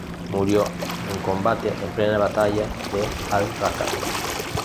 Murió en combate en plena batalla de Al Raqa.